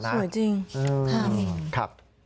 สวยจริงครับ